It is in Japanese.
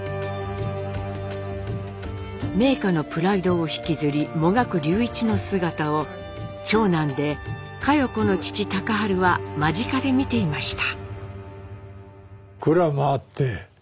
名家のプライドを引きずりもがく隆一の姿を長男で佳代子の父隆治は間近で見ていました。